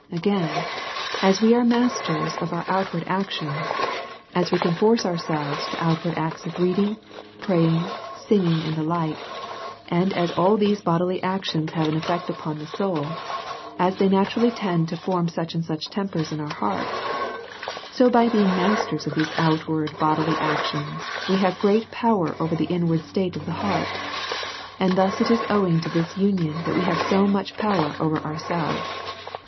Again, as we are masters of our outward actions, as we can force ourselves to outward acts of reading, pray ing, singing, and the like ; and as all these bodily ac tions have an effect upon the soul, as they naturally tend to form such and such tempers in our hearts ; so, by being masters of these outward bodily actions, we have great power over the inward state of the heart. And thus it is owing to this union that we have so much power over ourselves.